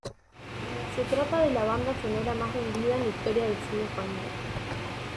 Se trata de la banda sonora más vendida en la historia del cine español.